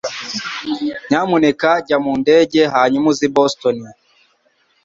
Nyamuneka jya mu ndege hanyuma uze i Boston